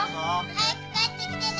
早く帰ってきてね。